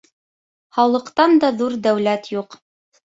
Һаулыҡтан да ҙур дәүләт юҡ.